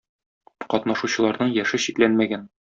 Катнашучыларның яше чикләнмәгән.